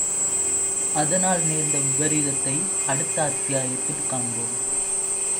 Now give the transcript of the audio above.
அதனால், நேர்ந்த விபரீதத்தை அடுத்த அத்தியாயத்தில் காண்போம்.